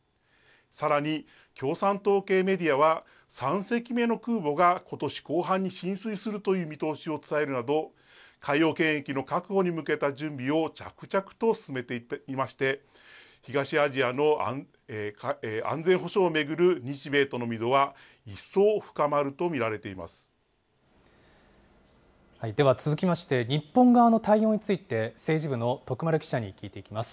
さらに、共産党系メディアは、３隻目の空母がことし後半に進水するという見通しを伝えるなど、海洋権益の確保に向けた準備を着々と進めていまして、東アジアの安全保障を巡る日米との溝は一層深まると見られていまでは、続きまして、日本側の対応について、政治部の徳丸記者に聞いていきます。